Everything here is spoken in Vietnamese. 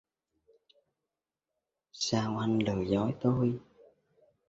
sao anh lừa dối tôi